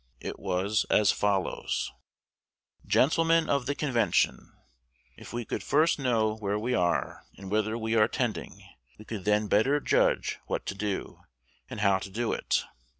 It was as follows: Gentlemen of the Convention, If we could first know where we are, and whither we are tending, we could then better judge what to do, and how to do it.